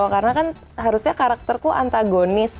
karena kan harusnya karakterku antagonis